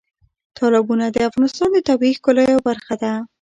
تالابونه د افغانستان د طبیعي ښکلا یوه برخه ده.